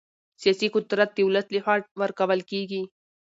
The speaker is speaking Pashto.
سیاسي قدرت د ولس له خوا ورکول کېږي